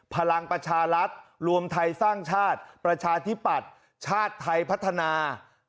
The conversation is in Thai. พลังประชารัฐรวมไทยสร้างชาติประชาธิปัตย์ชาติไทยพัฒนา